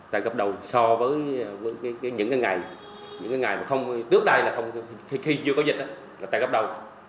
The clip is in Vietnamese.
tăng gấp đầu so với những cái ngày những cái ngày trước đây là không khi chưa có dịch là tăng gấp đầu